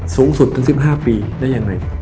สูงสุดถึง๑๕ปีได้ยังไง